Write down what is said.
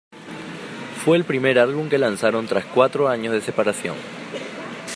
Fue el primer álbum que lanzaron tras cuatro años de separación.